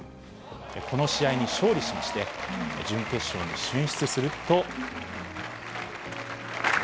この試合に勝利しまして、準決勝に進出すると。